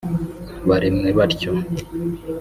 baremwe batyo